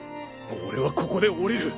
俺はここで降りる。